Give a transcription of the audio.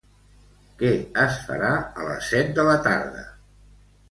Què es farà a les set de la tarda?